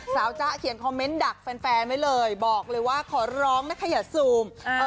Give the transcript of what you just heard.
จ๊ะเขียนคอมเมนต์ดักแฟนไว้เลยบอกเลยว่าขอร้องนะคะอย่าซูม